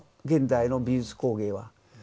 現代の美術工芸は。